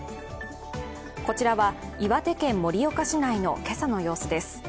こちらは岩手県盛岡市内の今朝の様子です。